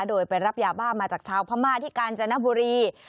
โดยไปรับยาบ้ามาจากชาวพม่าที่กาญจนบุรี